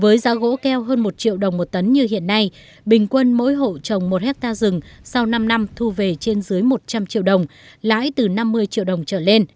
với giá gỗ keo hơn một triệu đồng một tấn như hiện nay bình quân mỗi hộ trồng một hectare rừng sau năm năm thu về trên dưới một trăm linh triệu đồng lãi từ năm mươi triệu đồng trở lên